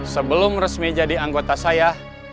sebelum resmi jadi anggota saya